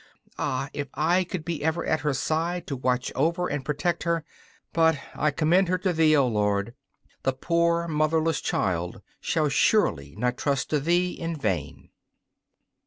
Ah, if I could be ever at her side to watch over and protect her! But I commend her to Thee, O Lord: the poor motherless child shall surely not trust to Thee in vain.